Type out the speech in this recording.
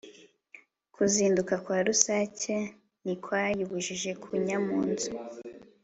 kuzinduka kwa rusake ntikwayibujije kunnya mu nzu